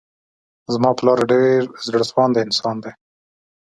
زما پلار ډير زړه سوانده انسان دی.